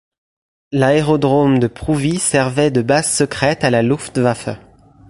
L'aérodrome de Prouvy servait de base secrète à la Luftwaffe.